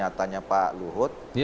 pernyatanya pak luhut